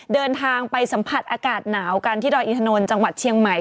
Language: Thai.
เดินทางไปสัมผัสอากาศหนาวกันที่ดอยอินทนนท์จังหวัดเชียงใหม่